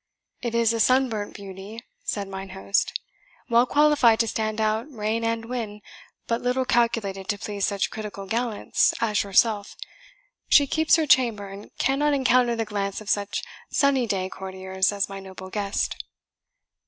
"It is a sunburnt beauty," said mine host, "well qualified to stand out rain and wind, but little calculated to please such critical gallants as yourself. She keeps her chamber, and cannot encounter the glance of such sunny day courtiers as my noble guest."